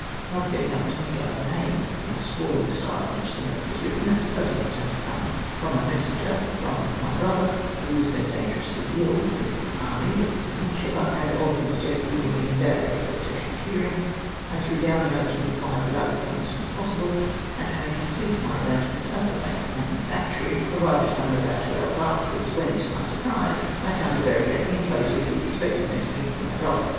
Not being able to make out the name, from the scrawhng style in which the note was written, and supposmg it to have come from a messenger from my brother, wdio was then dangerously ill with the army of the Peninsida, and of whose death we were m daily expectation of hearing, I threw down the note, and rephed, that I would come as soon as possible ; and, having completed my arrangements at the lamp manu factory, arrived at home about two hours afterwards, when, to my surprise, I found De Berenger in place of the expected messenger from my brother.